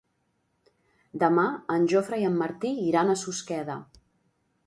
Demà en Jofre i en Martí iran a Susqueda.